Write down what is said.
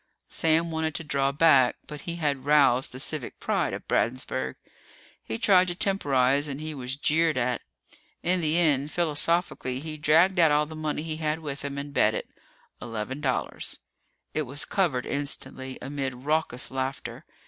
Sam wanted to draw back, but he had roused the civic pride of Bradensburg. He tried to temporize and he was jeered at. In the end, philosophically, he dragged out all the money he had with him and bet it eleven dollars. It was covered instantly, amid raucous laughter.